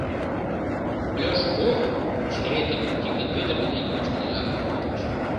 Ольош кок черетым Тикын Вӧдыр дене кочкын ила, маньыч.